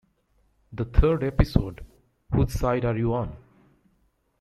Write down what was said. The third episode, Whose Side Are You On?